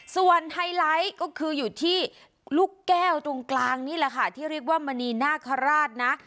ส่วนไฮไลท์ก็คืออยู่ที่ลูกแก้วตรงกลางนี่แหละค่ะที่เรียกว่ามณีนาคาราชนะ